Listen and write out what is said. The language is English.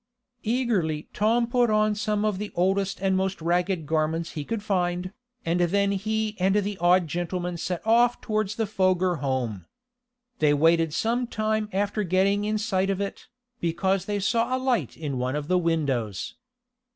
Eagerly Tom put on some of the oldest and most ragged garments he could find, and then he and the odd gentleman set off toward the Foger home. They waited some time after getting in sight of it, because they saw a light in one of the windows.